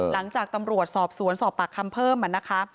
หลังจากตำรวจสอบสวนสอบปากคำเพิ่มนะคะ